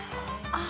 あ。